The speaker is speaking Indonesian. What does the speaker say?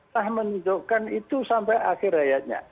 tak menunjukkan itu sampai akhir ayatnya